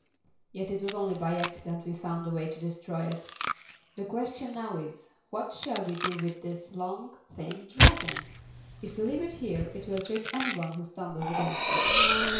"Yet it was only by accident we found a way to destroy it. The question now is, what shall we do with this long, thin Dragon? If we leave it here it will trip any one who stumbles against it."